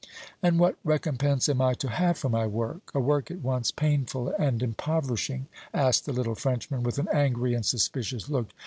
"And what recompense am I to have for my work a work at once painful and impoverishing?" asked the little Frenchman, with an angry and suspicious look.